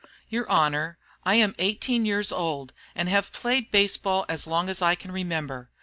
"Your Honor, I am eighteen years old, and have played baseball as long as I can remember.